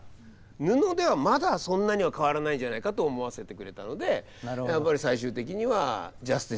布ではまだそんなには変わらないんじゃないかと思わせてくれたのでやっぱり最終的にはジャスティスのほうに。